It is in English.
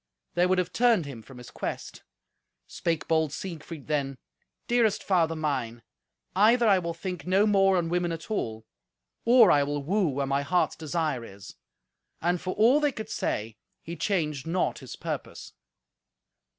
They would have turned him from his quest. Spake bold Siegfried then, "Dearest father mine, either I will think no more on women at all, or I will woo where my heart's desire is." And for all they could say, he changed not his purpose.